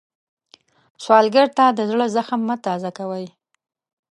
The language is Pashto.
سوالګر ته د زړه زخم مه تازه کوئ